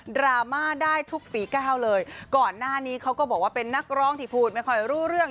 ดราม่าได้ทุกฝีก้าวเลยก่อนหน้านี้เขาก็บอกว่าเป็นนักร้องที่พูดไม่ค่อยรู้เรื่อง